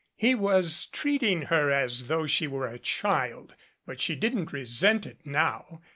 He was treating her as though she were a child, but she didn't resent it now.